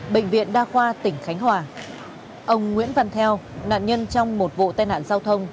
bệnh viện đa khoa tỉnh khánh hòa ông nguyễn văn theo nạn nhân trong một vụ tai nạn giao thông